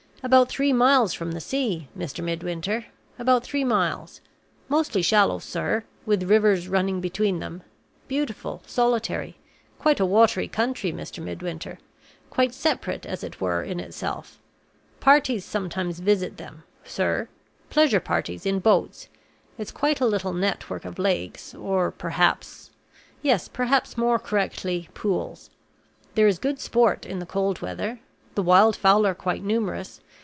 About three miles from the sea, Mr. Midwinter about three miles. Mostly shallow, sir, with rivers running between them. Beautiful; solitary. Quite a watery country, Mr. Midwinter; quite separate, as it were, in itself. Parties sometimes visit them, sir pleasure parties in boats. It's quite a little network of lakes, or, perhaps yes, perhaps, more correctly, pools. There is good sport in the cold weather. The wild fowl are quite numerous.